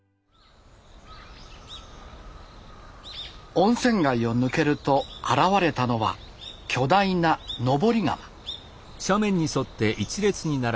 温泉街を抜けると現れたのは巨大な登り窯。